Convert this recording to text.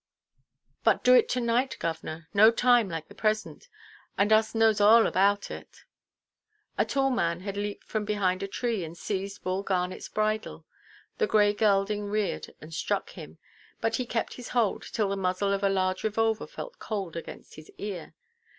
"Best do it to–night, govʼnor. No time like the praysent, and us knows arl about it." A tall man had leaped from behind a tree, and seized Bull Garnetʼs bridle. The grey gelding reared and struck him; but he kept his hold, till the muzzle of a large revolver felt cold against his ear.